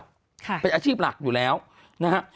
ค่ะเป็นอาชีพหลักอยู่แล้วนะฮะ